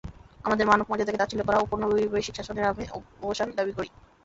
আমাদের মানব মর্যাদাকে তাচ্ছিল্য করা ঔপনিবেশিক শাসনের আমি অবসান দাবি করি।